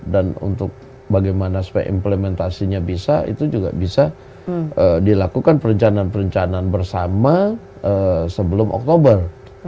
dan untuk bagaimana supaya implementasinya bisa itu juga bisa dilakukan perencanaan perencanaan bersama sebelum oktober